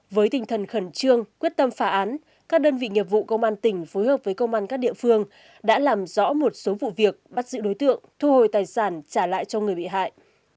với tinh thần khẩn trương quyết tâm phả án các đơn vị nghiệp vụ công an tỉnh phối hợp với công an các địa phương đã làm rõ một số vụ việc bắt giữ đối tượng thu hồi tài sản trả lại cho người bị hại